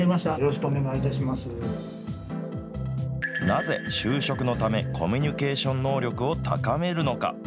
なぜ就職のため、コミュニケーション能力を高めるのか。